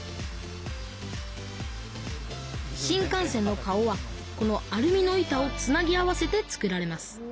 新幹線の顔はこのアルミの板をつなぎ合わせて作られます